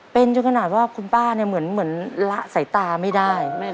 เป็นจนขนาดว่าคุณป้าเนี่ยเหมือนละสายตาไม่ได้